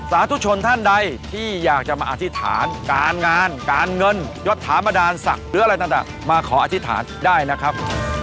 สาธุชนท่านใดที่อยากจะมาอธิษฐานการงานการเงินยดถามดาลศักดิ์หรืออะไรต่างมาขออธิษฐานได้นะครับ